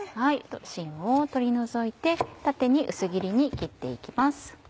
しんを取り除いて縦に薄切りに切って行きます。